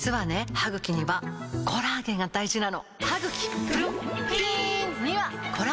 歯ぐきにはコラーゲンが大事なの！